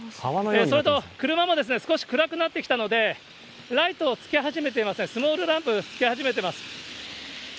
それと車も少し暗くなってきたので、ライトをつけ始めてますね、スモールランプつけ始めてます。